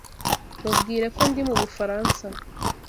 Mubwire ko ndi mu Bufaransa.